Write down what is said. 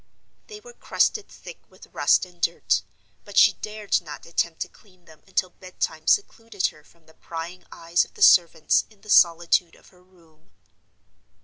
They were crusted thick with rust and dirt; but she dared not attempt to clean them until bed time secluded her from the prying eyes of the servants in the solitude of her room.